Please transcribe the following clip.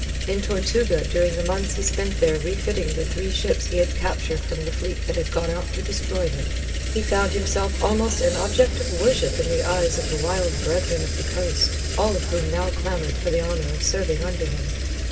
In Tortuga, during the months he spent there refitting the three ships he had captured from the fleet that had gone out to destroy him, he found himself almost an object of worship in the eyes of the wild Brethren of the Coast, all of whom now clamoured for the honour of serving under him.